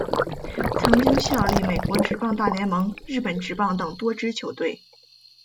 曾经效力美国职棒大联盟日本职棒等多支球队。